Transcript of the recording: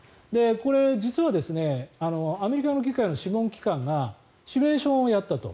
これ、実はアメリカの議会の諮問機関がシミュレーションをやったと。